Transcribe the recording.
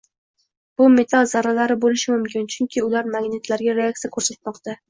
Bu metall zarralari bo‘lishi mumkin, chunki ular magnitlarga reaksiya ko‘rsatmoqda